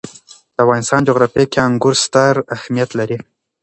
د افغانستان جغرافیه کې انګور ستر اهمیت لري.